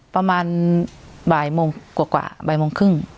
ประมาณบ่ายโมงกว่าบ่ายโมงครึ่ง